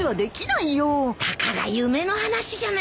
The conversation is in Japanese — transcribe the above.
たかが夢の話じゃないか。